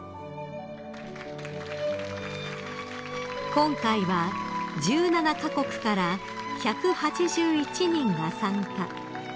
［今回は１７カ国から１８１人が参加］